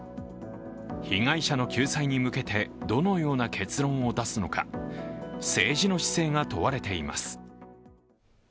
被害者の救済に向けて、どのような結論を出すのか、政治の姿勢が問われています。